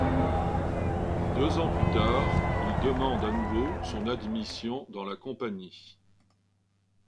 Deux ans plus tard il demande à nouveau son admission dans la Compagnie.